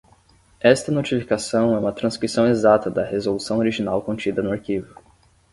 Esta notificação é uma transcrição exata da resolução original contida no arquivo.